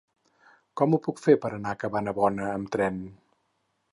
Com ho puc fer per anar a Cabanabona amb tren?